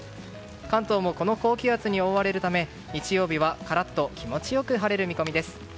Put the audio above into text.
関東もこの高気圧に覆われるため日曜日はカラッと気持ちよく晴れる見込みです。